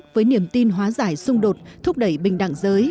với niềm tin hóa giải xung đột thúc đẩy bình đẳng giới